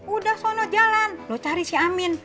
udah sono jalan lo cari si amin